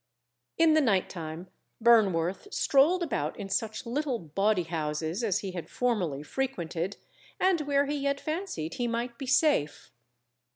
In the night time Burnworth strolled about in such little bawdy houses as he had formerly frequented, and where he yet fancied he might be safe.